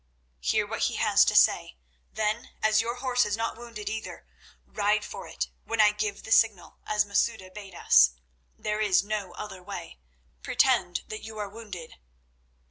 "Hear what he has to say. Then, as your horse is not wounded either, ride for it when I give the signal as Masouda bade us. There is no other way. Pretend that you are wounded."